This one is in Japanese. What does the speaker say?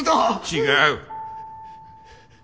違う。